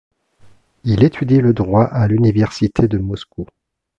Il étudie le droit à l'Université de Moscou.